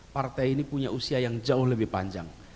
partai ini punya usia yang jauh lebih panjang